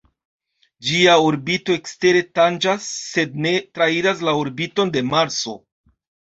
Ĝia orbito ekstere tanĝas sed ne trairas la orbiton de Marso.